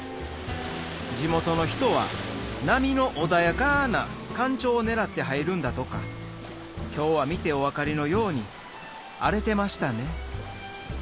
地元の人は波の穏やかな干潮を狙って入るんだとか今日は見てお分かりのように荒れてましたね